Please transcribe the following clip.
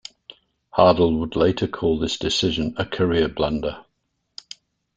Hadl would later call this decision a career blunder.